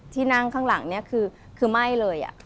ที่นั่งข้างหลังนี้คือไหม้เลย